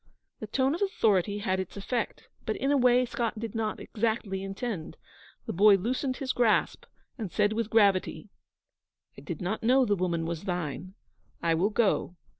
The tone of authority had its effect, but in a way Scott did not exactly intend. The boy loosened his grasp, and said with gravity, 'I did not know the woman was thine. I will go.'